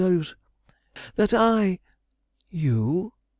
That I " "You?"